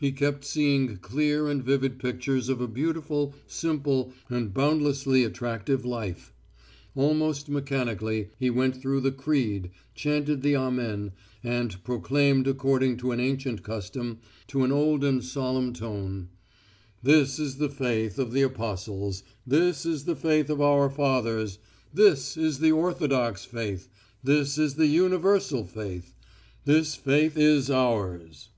He kept seeing clear and vivid pictures of a beautiful, simple, and boundlessly attractive life. Almost mechanically he went through the Creed, chanted the Amen, and proclaimed according to an ancient custom to an old and solemn tone: "This is the faith of the apostles, this is the faith of our fathers, this is the Orthodox faith, this is the universal faith, this faith is ours."